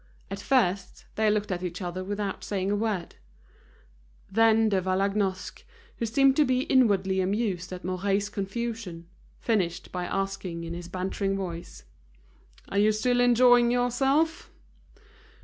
At first, they looked at each other without saying a word. Then De Vallagnosc, who seemed to be inwardly amused at Mouret's confusion, finished by asking in his bantering voice: "Are you still enjoying yourself?"